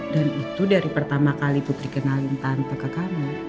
dan itu dari pertama kali putri kenalin tante ke kamu